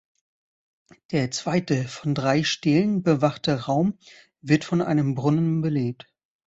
Der zweite, von drei Stelen bewachte Raum wird von einem Brunnen belebt.